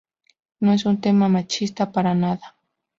No es un tema machista, para nada.